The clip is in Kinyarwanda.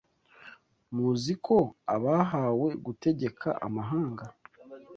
Muzi ko abahawe gutegeka amahanga